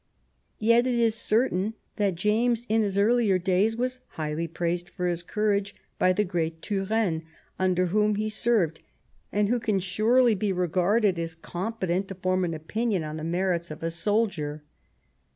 Yet it is certain that James in his earlier days was highly praised for his courage by the great Turenne, under whom he served, and who may surely be regarded as competent to form an opinion on the merits of a soldier.